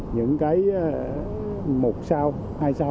những cái một sao hai sao đến năm sao